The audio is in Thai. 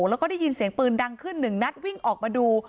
แล้วก็ได้ยินเสียงปืนดังขึ้นหนึ่งนัดวิ่งออกมาดู